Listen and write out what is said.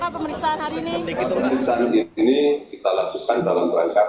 pemeriksaan diri ini kita lakukan dalam rangka